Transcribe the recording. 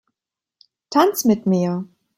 Tanz mit mir!